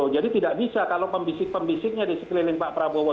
jadi tidak bisa kalau pembisik pembisiknya di sekeliling pak prabowo